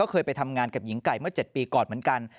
เคยไปทำงานกับหญิงไก่เมื่อ๗ปีก่อนเหมือนกัน